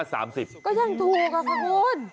ก็ยังถูกครับทุกคน